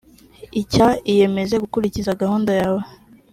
icya iyemeze gukurikiza gahunda yawe